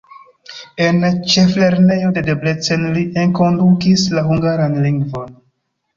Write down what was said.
En ĉeflernejo de Debrecen li enkondukis la hungaran lingvon.